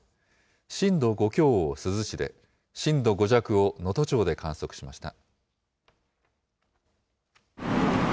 震度５強を珠洲市で、震度５弱を能登町で観測しました。